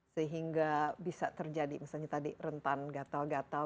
sehingga bisa terjadi misalnya tadi rentan gatel gatel